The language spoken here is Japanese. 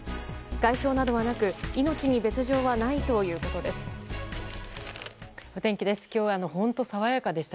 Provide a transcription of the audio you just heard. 外傷などはなく命に別条はないということです。